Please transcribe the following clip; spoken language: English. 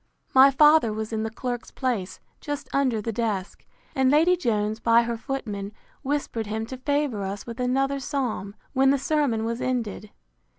My father was in the clerk's place, just under the desk; and Lady Jones, by her footman, whispered him to favour us with another psalm, when the sermon was ended.